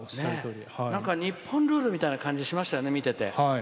日本ルールみたいな感じがしましたよね。